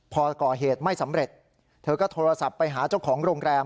พอก่อเหตุไม่สำเร็จเธอก็โทรศัพท์ไปหาเจ้าของโรงแรม